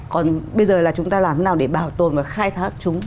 còn bây giờ là chúng ta làm thế nào để bảo tồn và khai thác chúng